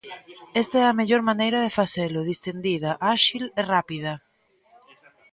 Esta é a mellor maneira de facelo: distendida, áxil e rápida.